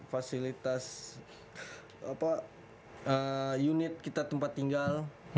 fasilitas unit kita tempat tinggal